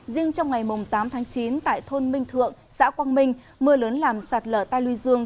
riêng trong ngày tám tháng chín tại thôn minh thượng xã quang minh mưa lớn làm sạt lở tai luy dương